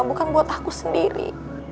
bukan buat aku sendiri